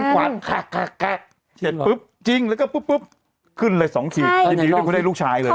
มันกวาดคักเห็นปุ๊บจริงแล้วก็ปุ๊บขึ้นเลยสองทียินดีไม่ควรได้ลูกชายเลย